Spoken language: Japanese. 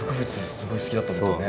すごい好きだったんですよね。